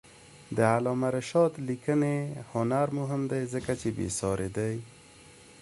د علامه رشاد لیکنی هنر مهم دی ځکه چې بېسارې دی.